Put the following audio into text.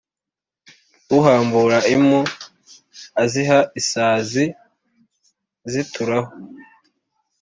ahambura impu aziha isazi zitururaho